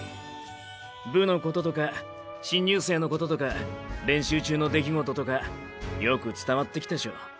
部のこととか新入生のこととか練習中のできごととかよく伝わってきたショ。